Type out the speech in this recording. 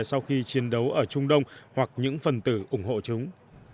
sau khi chiến đấu ở trung đông hoặc những phần tử ủng hộ chúng